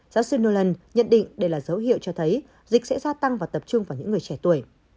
giáo sư nolan nhận định đây là dấu hiệu cho thấy dịch sẽ gia tăng và tập trung vào những người trẻ tuổi